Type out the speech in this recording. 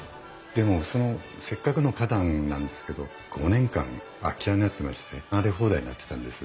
でもそのせっかくの花壇なんですけど５年間空き家になってまして荒れ放題になってたんです。